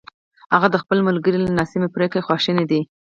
هغه د خپل ملګري له ناسمې پرېکړې خواشینی دی!